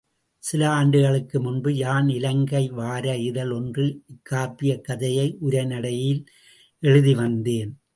சில ஆண்டுகளுக்கு முன்பு யான் இலங்கை வார இதழ் ஒன்றில் இக்காப்பியக் கதையை உரைநடையில் எழுதி வந்தேன்.